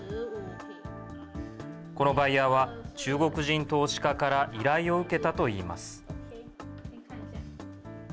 このバイヤーは、中国人投資家から依頼を受けたといいます。